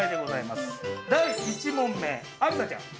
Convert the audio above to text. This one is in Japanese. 第１問目ありさちゃん。